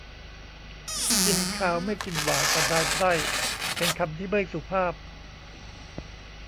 กินคาวไม่กินหวานสันดานไพร่ เป็นคำที่ไม่สุภาพ